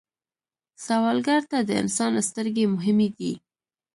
سوالګر ته د انسان سترګې مهمې دي